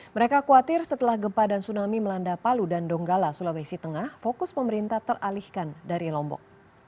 mereka khawatir setelah gempa dan tsunami melanda palu dan donggala sulawesi tengah fokus pemerintah teralihkan dari lombok